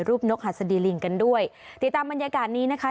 นกหัสดีลิงกันด้วยติดตามบรรยากาศนี้นะคะ